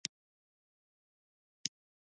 احمد راته په مردارو اوبو کې ودرېد.